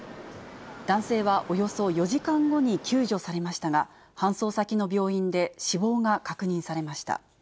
男性はおよそ４時間後に救助されましたが、搬送先の病院で死亡が確認されました。